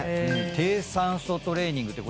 低酸素トレーニングって